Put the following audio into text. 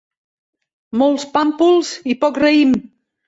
Molts pàmpols i poc raïm.